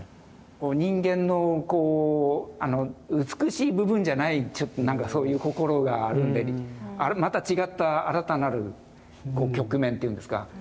人間のこう美しい部分じゃないちょっとなんかそういう心があるのでまた違った新たなる局面というんですか。